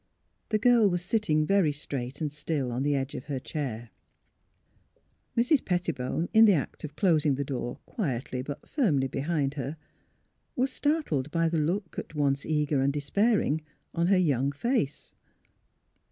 The girl was sitting very straight and still on the edge of her chair. Mrs. Pettibone, in the act of closing the door quietly but firmly behind her, was startled by the look, at once eager and despairing, on her young face.